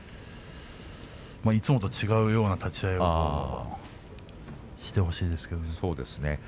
いつもと違うような立ち合いしてほしいですけれどもね。